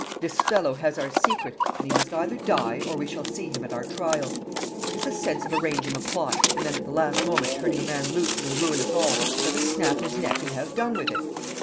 This fellow has our secret, and he must either die, or we shall see him at our trial. What is the sense of arranging a plot, and then at the last moment turning a man loose who will ruin us all? Let us snap his neck and have done with it.'